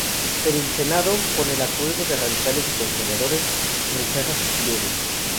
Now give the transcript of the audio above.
Pero el Senado, con el acuerdo de radicales y conservadores, rechaza sus pliegos.